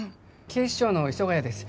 警視庁の磯ヶ谷です